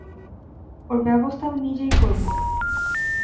ওর ব্যাবস্থা আমি নিজেই করব।